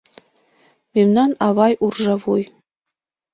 - Мемнан авай - уржавуй.